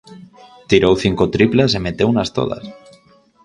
Tirou cinco triplas e meteunas todas.